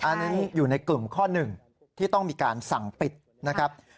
อันนั้นอยู่ในกลุ่มข้อหนึ่งที่ต้องมีการสั่งปิดนะครับ